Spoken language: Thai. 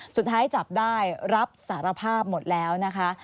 สุดท้ายจับได้รับสารภาพหมดแล้วนะคะ